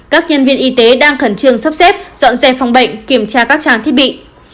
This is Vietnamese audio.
các nhân viên y tế đang khẩn trương sắp xếp dọn dẹp phòng bệnh kiểm tra các trang thiết bị